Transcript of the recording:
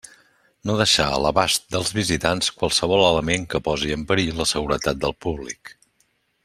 No deixar a l'abast dels visitants qualsevol element que posi en perill la seguretat del públic.